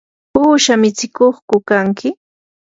¿uusha mitsikuqku kanki?